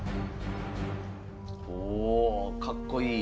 おおかっこいい。